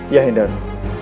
yah he daru